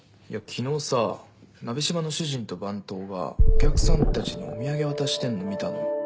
昨日さ「なべしま」の主人と番頭がお客さんたちにお土産渡してんの見たの。